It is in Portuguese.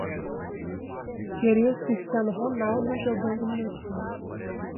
Queria o Cristiano Ronaldo jogando no meu time.